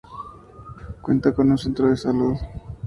Cuenta con un centro de salud.